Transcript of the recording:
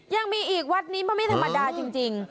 ยังมีอีกวัดนี้มันไม่ธรรมดาจริง